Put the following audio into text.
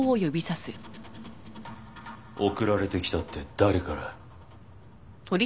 送られてきたって誰から？